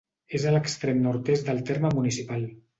És a l'extrem nord-est del terme municipal.